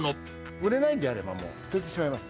売れないんであればもう、捨ててしまいます。